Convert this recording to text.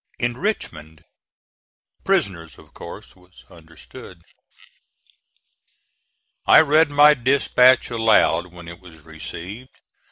"In Richmond." Prisoners, of course, was understood. I read my dispatch aloud, when it was received.